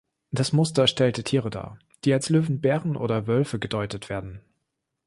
Das Muster stellte Tiere dar, die als Löwen, Bären oder Wölfe gedeutet werden.